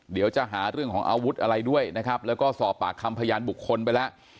เดี๋ยวจะหาเรื่องของอาวุธอะไรด้วยนะครับแล้วก็สอบปากคำพยานบุคคลไปแล้ว